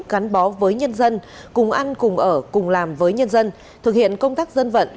gắn bó với nhân dân cùng ăn cùng ở cùng làm với nhân dân thực hiện công tác dân vận